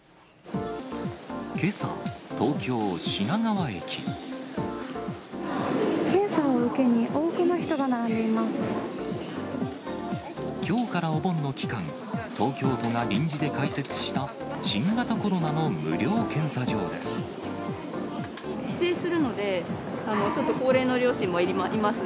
けさ、検査を受けに、多くの人が並きょうからお盆の期間、東京都が臨時で開設した、新型コロナの無料検査場です。